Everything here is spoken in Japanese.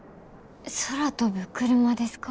空飛ぶクルマですか？